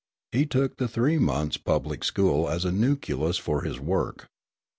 He took the three months' public school as a nucleus for his work.